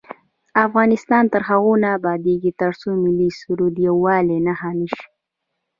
افغانستان تر هغو نه ابادیږي، ترڅو ملي سرود د یووالي نښه نشي.